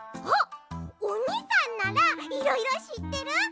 あっおにさんならいろいろしってる？